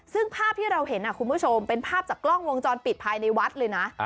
ซึ่งภาพที่เราเห็นคุณผู้ชมเป็นภาพจากกล้องวงจรปิดภายในวัดเลยนะ